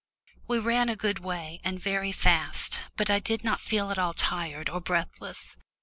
We ran a good way, and very fast. But I did not feel at all tired or breathless.